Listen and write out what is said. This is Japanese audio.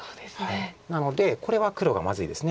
なのでこれは黒がまずいです。